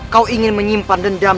kau ingin menyimpan dendam